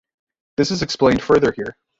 This is explained further here.